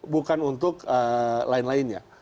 bukan untuk lain lainnya